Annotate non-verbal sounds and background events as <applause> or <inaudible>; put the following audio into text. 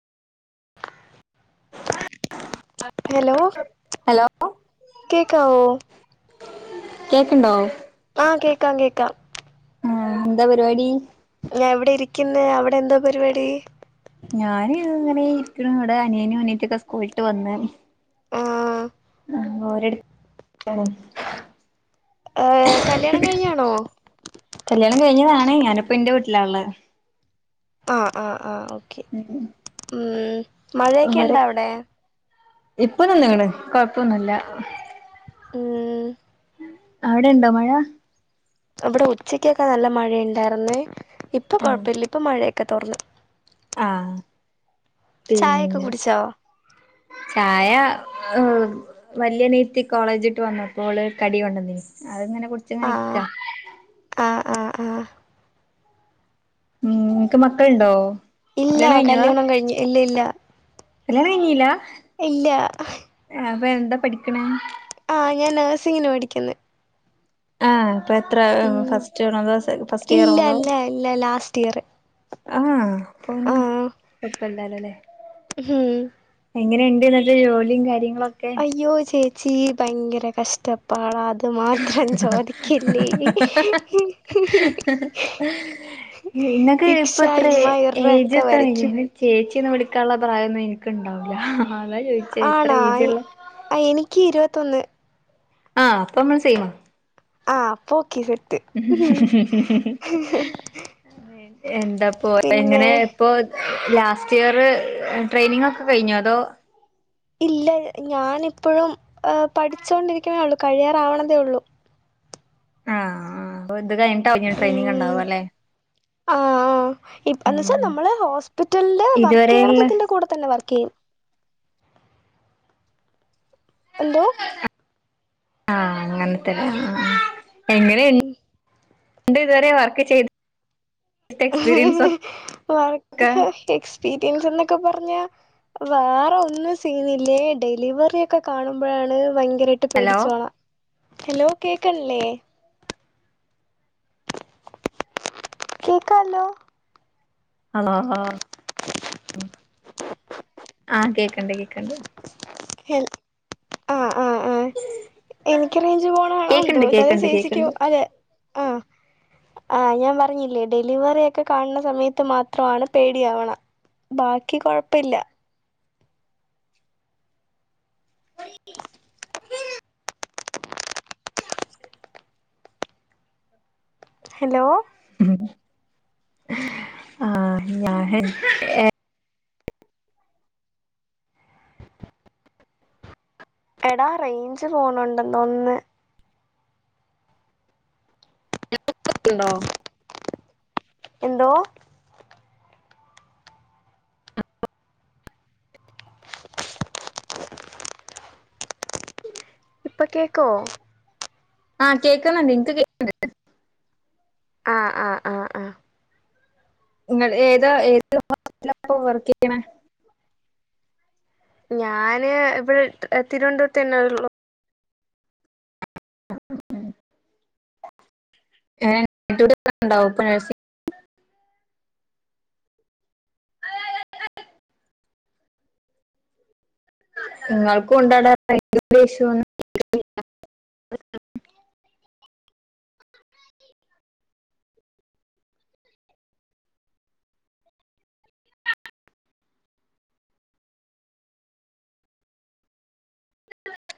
Hello? Hello കേക്ക ഓ? കേക്കുണ്ടോ ആഹ് കേക്കാം കേക്കാം ആഹ എന്താ പരിപാടി? ഞാ ഇവിടെ ഇരിക്കുന്ന അവിടെ എന്താ പരിപാടി? ഞാന് അങ്ങനെ ഇരിക്കുന്നു ഇവിടെ അനിയനും അനീത്തൊക്കെ സ്കൂളിട്ട് വന്ന് ആഹ് ആ ഓരടുത്ത് ഇരിക്കാണ് ഏ കല്യാണം കഴിഞ്ഞാണോ കല്യാണം കഴിഞ്ഞതാണ് ഞാനിപ്പ എന്റെ വീട്ടിലാള്ള, ആഹ് ആഹ് ആഹ ഓക്കെ ഉ മഴയൊക്കെ ഉണ്ടാ അവിടെ? ഇപ്പോനിന്നക്ന്ന് കൊഴപ്പൊന്നുംല്ല ഉം അവിടെ ഇണ്ടോ മഴ? ഇവിടെ ഉച്ചക്കൊക്കെ നല്ല മഴുണ്ടായിുന്നേ ഇപ്പൊ കൊഴപ്പില്ല ഇപ്പൊ മഴയൊക്കെ തോറന്നു, ആഹ ചായയൊക്കെ പിന്നെ കുടിച്ചോ ചായ ആ വലിയ നീത്തി കോളേജിട്ട് വന്നപ്പോള് കടി കൊണ്ടാനിന്ന് അങ്ങന കുടിച്ചങ്ങനെരിക്കുക ആ ഉം എനിക്ക് മക്കളുണ്ടോ ഇല്ല കല്യാണം കഴിഞ്ഞു ഇല്ല ഇല്ല കല്ലണം കഴഞ്ഞല ഇല്ല അപ്പൊ എന്താ പഠിക്കണ? ആഹ ഞാൻ നേഴ്സിങ്ങിന പഠിക്ന്ന് ആഹ ഇപ്പൊ എത്ര ഫസ്റ്റ്ണതോ ഫസ്റ്റ് ഇല്ല ഇയർോതോ ഇല്ല ഇല്ല ലാസ്റ്റ് ഇയർ ആഹ് പോണ് കുപ്പില്ലാലല്ലേ ഹം എങ്ങനെയുണ്ട് ഇത്തെ ജോലിയും കാര്യങ്ങള അയ്യോ ചേച്ചി ഭയങ്കര കഷ്ടപ്പാട അത് അത് മാത്രം ചോദിക്കില്ലേ, നിന്നക്ക് ഇപ്പ അത്ര ഇറ ഏജ് ഒക്കെ വരയ്ക്കും എത്തണെങ്ക ചേച്ചി ള്ള പ്രായമൊന്നും എനിക്കുണ്ടാവില്ല അതാ ചോദിച്ച എത്ര ആണാ ഏജുള്ള ആ എനിക്ക് ഇരുപത്തൊന്ന് ആഹ അപ്പൊ നമ്മള് ചെയ്യണം ആഹ് ഓക്കേ സെറ്റ് എന്താപ്പോ പിന്നെ എങ്ങനെ ഇപ്പൊ ലാസ്റ്റ് ഇയർ ട്രെയിനിങ് ഒക്കെ കഴിഞ്ഞു? അതോ ഇല്ല ഞാാന ഇപ്പോഴും പഠിച്ചൊണ്ടിരിക്കയേ ഉള്ളു കഴിയാറാവണതേ ഉള്ളു, ആഹ് ആ് അ ഇത് കഴിഞ്ഞിട്ടാവ ട്രെയിനിങ് ഉം ഉണ്ടാവും അല്ലെ? സൊ നമ്മള് ഹോസ്പിറ്റലില് വർക്ക് ചെയ്യണത് ഇതുവരെയുള്ള ഇതിന്റെ കൂടെ തന്നെ വർക്ക് ചെയ്യും എന്തോ ആഹ അങ്ങനത്തെരാ എങ്ങ ഉം രണ്ട് ഇതുവരെ വർക്ക് ചെയ്തു വർക്ക് ഒക്കെ എക്സ്പീരിയൻസ് എന്നൊക്കെ പറഞ്ഞ. വാറെ ഒന്നും ചെയ്യുന്നില്ലേ ഡെലിവറി ഒക്കെ കാണുമ്പോഴാണ് ഭയ് ബകറീട്ട് ഹലോ പേടിച്ചോളാ ഹലോ കേക്കണില്ലേ? കേക്കാലോ? ഹണോ ആഹ് കേക്കണ്ട് കേക്കണ്ട്. ഹല് ആഹ. ആ ആ എനിക്ക് റേഞ്ച് പോണണോ എന്തോ കേക്കണ്ട് ഇത് കേക്കണ്ട് ചേച്ചിക്കോ കേക്കണ്ട് അതൊ ആ. ആഹ് ഞാൻ പറഞ്ഞില്ലേ ഡെലിവറി ഒക്കെ കാണുന്ന സമയത്ത് മാത്രമാണ് പേടിയാവണ്. ബാക്കി കൊഴപ്പില്ല. <inaudible> ഹലോ? ആഹ ഞാ ഹോ ഏ എടാ റേഞ്ച് പോണുണ്ടന്ന് തോന്ന്. ഉണ്ടോ? എന്തോ. <inaudible> ഇപ്പൊ കേക്കോ? ആഹ് കേക്കണ് ണ്ട് എനിക്ക് കേക്ക്‌ണ്ട്. ആഹ ആഹ ആഹ ആ നിങ്ങള് ഏത് ഏത് മാ <unintelligible> വർക്ക് ചെയ്യണേ? ഞാന് ഇവിടെ തിരുവനന്തപുരത്ത് തന്നെ ഉള്ള. ണ്ടാവുംൊഴ് <unintelligible> ആയി ആയി ആയ് ആയി <unintelligible> നിങ്ങൾക്കും ഒണ്ടടെ ഭയങ്കര ദേഷ്യം <unintelligible> <inaudible> <inaudible> <inaudible>